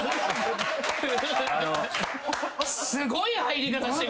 すごい入り方して。